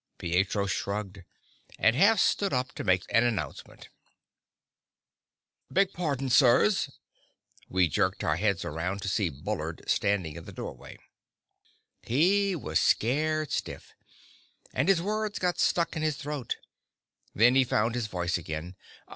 Pietro shrugged, and half stood up to make an announcement. "Beg pardon, sirs." We jerked our heads around to see Bullard standing in the doorway. He was scared stiff, and his words got stuck in his throat. Then he found his voice again.